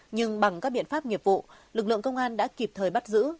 nhưng bằng các biện pháp nghiệp vụ lực lượng công an đã kịp thời bắt giữ